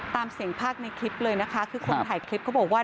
ตามเสียงภาคในคลิปเลยนะคะคือคนถ่ายคลิปเขาบอกว่า